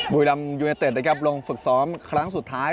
บุรีรำยูเนเต็ดนะครับลงฝึกซ้อมครั้งสุดท้าย